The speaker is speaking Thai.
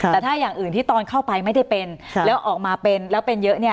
แต่ถ้าอย่างอื่นที่ตอนเข้าไปไม่ได้เป็นแล้วออกมาเป็นแล้วเป็นเยอะเนี่ย